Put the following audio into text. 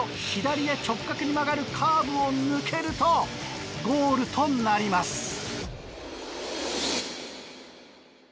左へ直角に曲がるカーブを抜けるとゴールとなります。